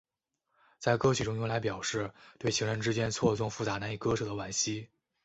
在歌曲中用来表示对情人之间错综复杂难以割舍的惋惜。